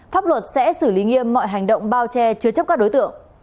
pháp luật sẽ xử lý nghiêm mọi hành động bao che chứa chấp các đối tượng